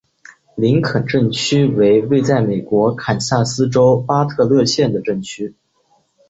林肯镇区为位在美国堪萨斯州巴特勒县的镇区。